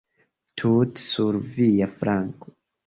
Tute sur via flanko.